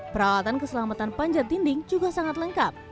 peralatan keselamatan panjat dinding juga sangat lengkap